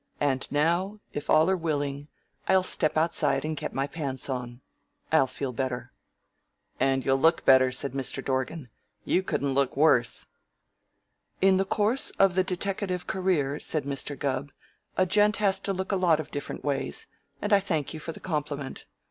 And now, if all are willing, I'll step outside and get my pants on. I'll feel better." "And you'll look better," said Mr. Dorgan. "You couldn't look worse." "In the course of the deteckative career," said Mr. Gubb, "a gent has to look a lot of different ways, and I thank you for the compliment.